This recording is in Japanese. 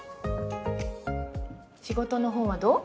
仕事の方はどう？